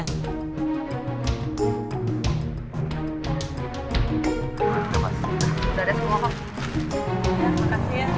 udah ada semua kok